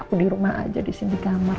aku di rumah aja di sini di kamar